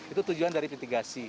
itu tujuan dari mitigasi